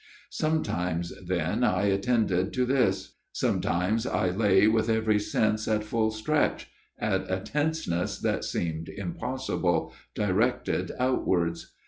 " Sometimes then I attended to this ; some times I lay with every sense at full stretch at a tenseness that seemed impossible, directed out wards.